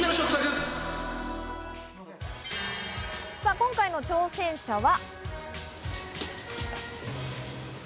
今回の挑戦者は。